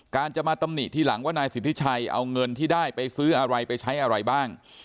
จะมาตำหนิทีหลังว่านายสิทธิชัยเอาเงินที่ได้ไปซื้ออะไรไปใช้อะไรบ้าง